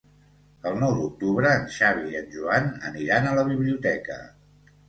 El nou d'octubre en Xavi i en Joan aniran a la biblioteca.